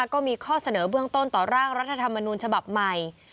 ก็มีข้อเสนอเบื้องต้นต่อร่างรัฐธรรมนูญฉบับใหม่